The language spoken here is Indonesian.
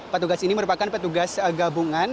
petugas ini merupakan petugas gabungan